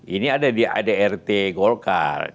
ini ada di adrt golkar